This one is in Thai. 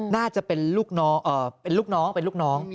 น่าจะเป็นลูกน้อง